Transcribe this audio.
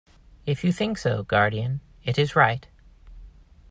If you think so, guardian, it is right.